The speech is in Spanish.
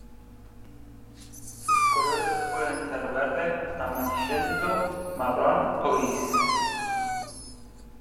Sus colores pueden ser verde, amarillento, marrón o gris.